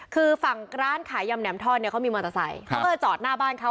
คือฝั่งร้านขายยำแหมทอดเนี่ยเขามีมอเตอร์ไซค์เขาก็มาจอดหน้าบ้านเขา